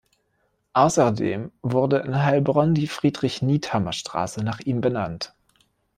Außerdem wurde in Heilbronn die "Friedrich-Niethammer-Straße" nach ihm benannt.